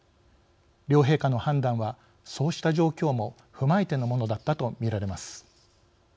両陛下の判断はそうした状況も踏まえてのものだったと見られます。